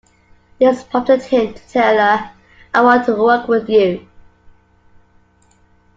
This prompted him to tell her, I want to work with you.